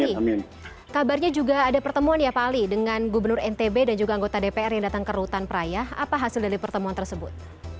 ini kabarnya juga ada pertemuan ya pak ali dengan gubernur ntb dan juga anggota dpr yang datang ke rutan peraya apa hasil dari pertemuan tersebut